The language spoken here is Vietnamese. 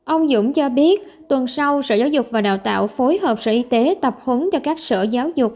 ông dũng cho biết tuần sau sở giáo dục và đào tạo phối hợp sở y tế tập huấn cho các sở giáo dục